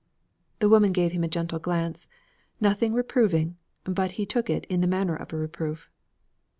The woman gave him a gentle glance; nothing reproving, but he took it in the manner of reproof.